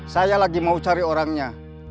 saya lagi mau cari orangnya